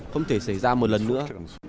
không thể xảy ra một lần nữa